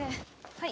はい。